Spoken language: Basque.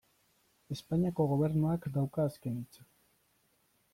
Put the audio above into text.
Espainiako Gobernuak dauka azken hitza.